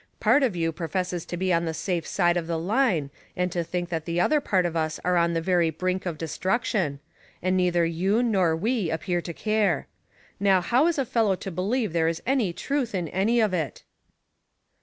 Part of you profess to be on the safe side of the line, and to think that the other part of us are on the very brink of destruction ; and neither 3^ou nor we appear to care. Now how is a fellow to believe there is any truth in any of it?